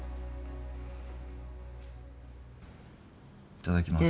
いただきます。